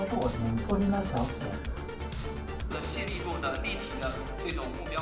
perkembangan ai yang sudah ada sejak lima puluh tahun lalu kini mengalami banyak kemajuan